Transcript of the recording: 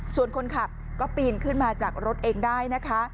ส่วนคนขับก็ปีนขึ้นมาจากรถเองได้นะคะ